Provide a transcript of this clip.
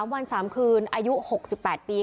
วัน๓คืนอายุ๖๘ปี